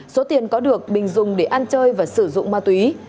số tiền có được bình dùng để ăn chơi và sử dụng ma túy